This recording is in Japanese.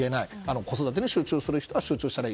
子育てに集中する人はしたらいい。